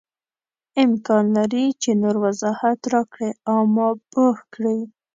امکان لري چې نور وضاحت راکړې او ما پوه کړې.